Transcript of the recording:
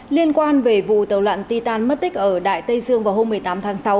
liên quan về vụ tàu loạn titan mất tích ở đại tây dương vào hôm một mươi tám tháng sáu